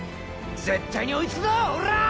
絶対に追いつくぞおらぁ！